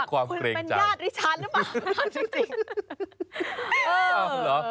คุณเป็นญาติลิชาร์ดหรือเปล่า